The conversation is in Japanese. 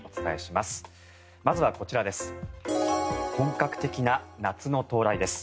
まずは、こちらです。